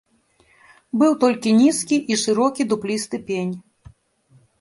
Быў толькі нізкі і шырокі дуплісты пень.